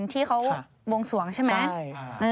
ที่เขาวงสวงใช่ไหม